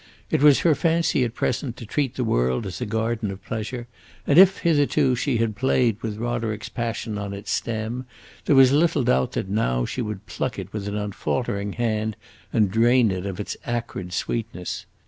It was her fancy at present to treat the world as a garden of pleasure, and if, hitherto, she had played with Roderick's passion on its stem, there was little doubt that now she would pluck it with an unfaltering hand and drain it of its acrid sweetness.